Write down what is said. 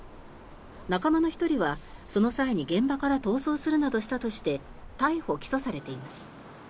仲間の１人はその際に現場から逃走するなどしたとして逮捕・起訴されています。